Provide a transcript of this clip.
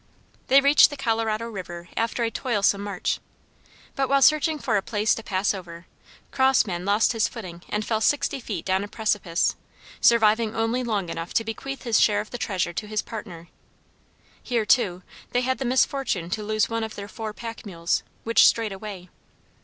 They reached the Colorado river after a toilsome march, but while searching for a place to pass over, Crossman lost his footing and fell sixty feet down a precipice, surviving only long enough to bequeath his share of the treasure to his partner. Here, too, they had the misfortune to lose one of their four pack mules, which strayed away.